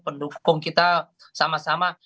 pendukung kita sama sama